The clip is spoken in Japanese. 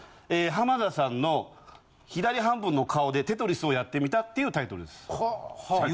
「浜田さんの左半分の顔でテトリスをやってみた」っていうタイトルです。はあ。